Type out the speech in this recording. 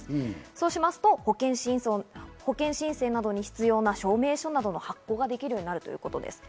そうしますと保険申請等に必要な証明書などの発行ができるようになるということです。